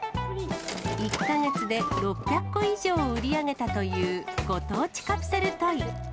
１か月で６００個以上を売り上げたという、ご当地カプセルトイ。